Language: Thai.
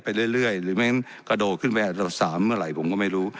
ไปเรื่อยเรื่อยหรือมันกระโดขึ้นไปอันดับสามเมื่อไหร่ผมก็ไม่รู้